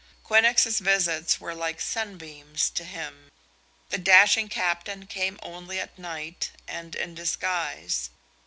Quinnox's visits were like sunbeams to him. The dashing captain came only at night and in disguise.